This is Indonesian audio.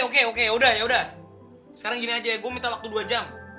oke oke udah yaudah sekarang gini aja ya gue minta waktu dua jam